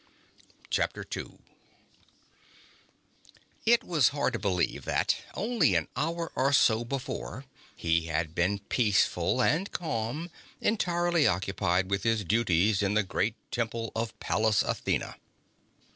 CHAPTER TWO It was hard to believe that, only an hour or so before, he had been peaceful and calm, entirely occupied with his duties in the great Temple of Pallas Athena.